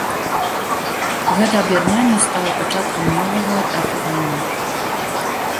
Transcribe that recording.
Гэта аб'яднанне стала пачаткам новага этапу вайны.